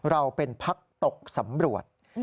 เราเป็นพักตกสำรวจ